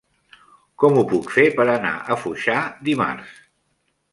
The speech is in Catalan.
Com ho puc fer per anar a Foixà dimarts?